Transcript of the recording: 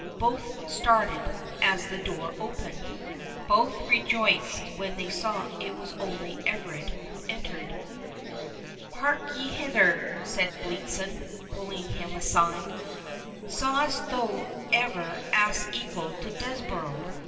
Both started as the door opened—both rejoiced when they saw it was only Everard who entered. "Hark ye hither," said Bletson, pulling him aside, "sawest thou ever ass equal to Desborough?